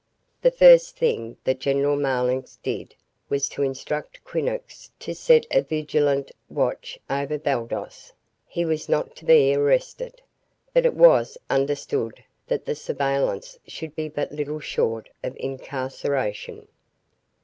The first thing that General Marlanx did was to instruct Quinnox to set a vigilant watch over Baldos. He was not to be arrested, but it was understood that the surveillance should be but little short of incarceration.